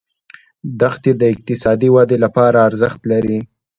دښتې د اقتصادي ودې لپاره ارزښت لري.